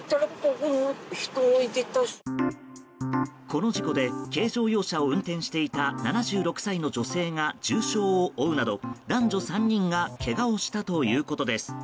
この事故で軽乗用車を運転していた７６歳の女性が重傷を負うなど男女３人がけがをしたということです。